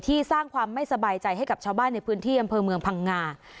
สร้างความไม่สบายใจให้กับชาวบ้านในพื้นที่อำเภอเมืองพังงา